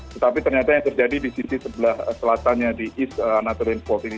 tetapi ternyata yang terjadi di sisi sebelah selatannya di east naturalin sport ini